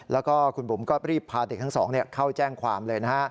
แล้วก็คุณบุ๋มก็รีบพาเด็กทั้งสองเข้าแจ้งความเลยนะฮะ